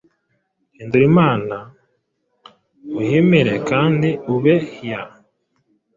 Hindura Imana, uhimire kandi ubehya,